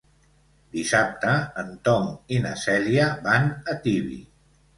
Dissabte en Tom i na Cèlia van a Tibi.